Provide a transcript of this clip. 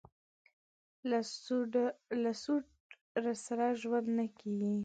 له سوډرسره ژوند نه کېږي.